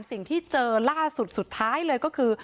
สิ่งที่เจอล่าสุดสุดท้ายเลยก็คือ